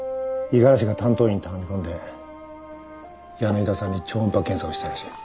五十嵐が担当医に頼み込んで柳田さんに超音波検査をしたらしい。